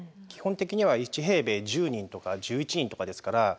基本的には１平米１０人とか１１人とかですから。